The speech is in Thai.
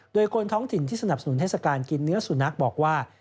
โดยคนท้องถิ่นที่สนับสนุนเทศกาลกินเนื้อสุนัขบอกว่า